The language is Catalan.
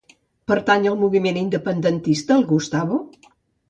Pertany al moviment independentista el Gustavo?